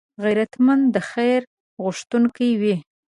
غیرتمند د خیر غوښتونکی وي